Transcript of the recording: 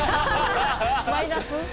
マイナス？